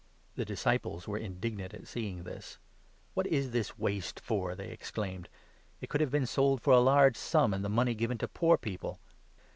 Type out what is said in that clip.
The disciples were indignant at seeing this. 8 "What is this waste for?" they exclaimed. "It could 9 have been sold for a large sum, and the money given to poor people."